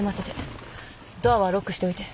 ドアはロックしておいて。